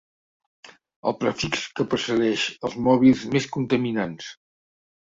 El prefix que precedeix els mòbils més contaminants.